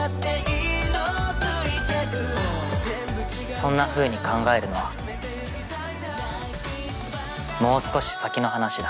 そんなふうに考えるのはもう少し先の話だ